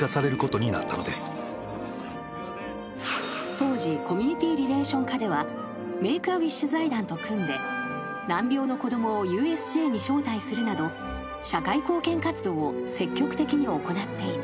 ［当時コミュニティリレーション課ではＭａｋｅ−Ａ−Ｗｉｓｈ財団と組んで難病の子供をＵＳＪに招待するなど社会貢献活動を積極的に行っていた］